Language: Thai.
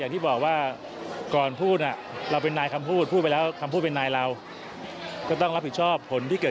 ที่เกิดขึ้นเหมือนกันใช่ไหมก็คงต้องค่อยใส่